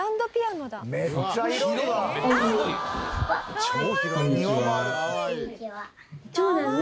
かわいい！